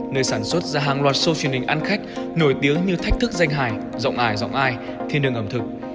nơi sản xuất ra hàng loạt show truyền hình ăn khách nổi tiếng như thách thức danh hải giọng ải giọng ai thiên đường ẩm thực